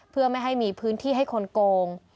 เพื่อไม่ให้มีพื้นที่ให้คนโกง